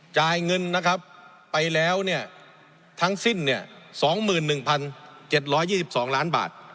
จ่ายเงินนะครับไปแล้วเนี่ยทั้งสิ้น๒๑๗๒๒ล้านบาท